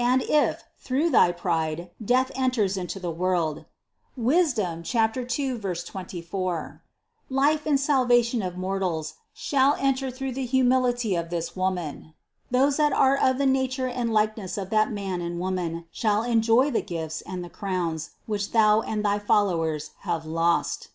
And if, through thy pride, death enters into the world (Wis. 2, 24), life and salva tion of mortals shall enter through the humility of this 92 CITY OF GOD Woman. Those that are of the nature and likeness of that Man and Woman, shall enjoy the gifts and the crowns, which thou and thy followers have lost."